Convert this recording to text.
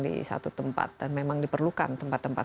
di satu tempat dan memang diperlukan tempat tempat